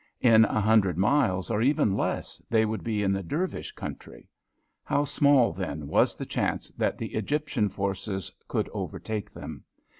In a hundred miles or even less they would be in the Dervish country. How small, then, was the chance that the Egyptian forces could overtake them.